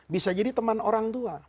bisa jadi teman orang tua